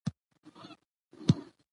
متعال واجد، احد، صمد او ذات دی ،